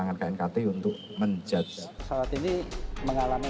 ini adalah penangan knkt untuk menjadikan